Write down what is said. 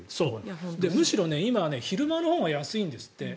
むしろ今昼間のほうが安いんですって。